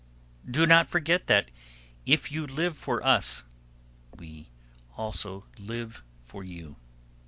Do not forget that if you live for us, we also live for you.